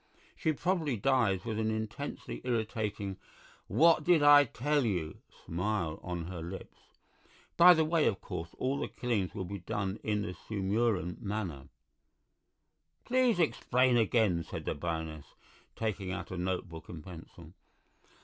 She probably dies with an intensely irritating 'what did I tell you' smile on her lips. By the way, of course all the killing will be done in the Sumurun manner." "Please explain again," said the Baroness, taking out a notebook and pencil.